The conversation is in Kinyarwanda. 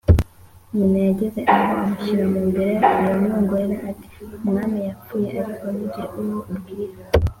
Nyina yageze aho amushyira mu mbere aramwongorera ati:”Umwami yapfuye ariko nugira uwo ubwira